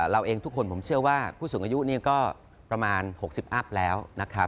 เราเองทุกคนผมเชื่อว่าผู้สูงอายุก็ประมาณ๖๐อัพแล้วนะครับ